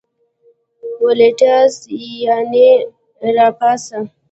ولټیږه ..یعنی را پاڅه